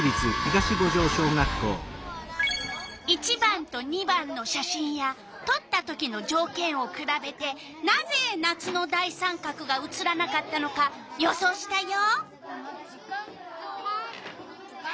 １番と２番の写真やとった時のじょうけんをくらべてなぜ夏の大三角が写らなかったのか予想したよ。